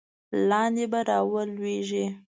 لاندې به را ولویږې.